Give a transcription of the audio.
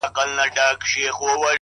نیک اخلاق د انسان ښکلا ده’